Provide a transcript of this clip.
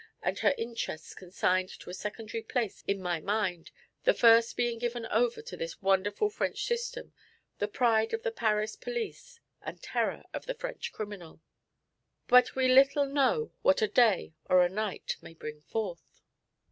and her interests consigned to a secondary place in my mind, the first being given over to this wonderful French system, the pride of the Paris police and terror of the French criminal. But we little know what a day, or a night, may bring forth.